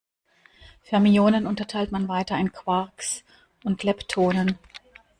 Fermionen unterteilt man weiter in Quarks und Leptonen.